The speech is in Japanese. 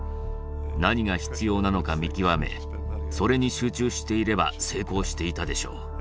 何が必要なのか見極めそれに集中していれば成功していたでしょう。